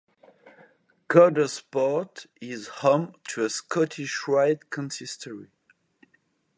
Coudersport is home to a Scottish Rite Consistory.